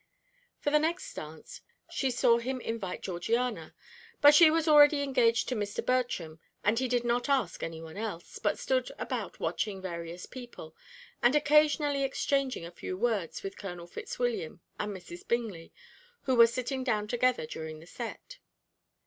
For the next dance, she saw him invite Georgiana, but she was already engaged to Mr. Bertram, and he did not ask anyone else, but stood about watching various people, and occasionally exchanging a few words with Colonel Fitzwilliam and Mrs. Bingley, who were sitting down together during the set.